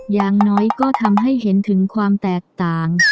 อย่างน้อยก็ทำให้เห็นถึงความแตกต่าง